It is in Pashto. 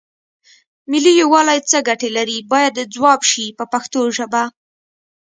ملي یووالی څه ګټې لري باید ځواب شي په پښتو ژبه.